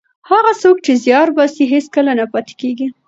هغه څوک چې زیار باسي هېڅکله نه پاتې کېږي.